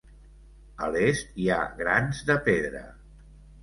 A l'est hi ha grans de pedra.